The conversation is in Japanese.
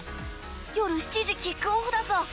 夜７時キックオフだぞ！